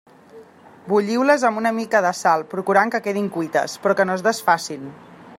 Bulliu-les amb una mica de sal, procurant que quedin cuites, però que no es desfacin.